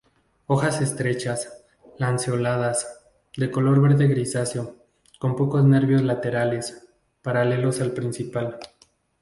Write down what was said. Hojas estrechas, lanceoladas, de color verde grisáceo, con pocos nervios laterales paralelos al principal.